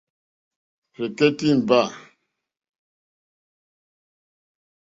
Rzɛ̀kɛ́tɛ́ ìmbâ.